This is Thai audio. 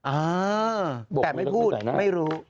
เออแต่ไม่พูดไม่รู้